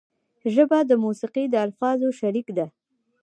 ژبه د موسیقۍ د الفاظو شریک ده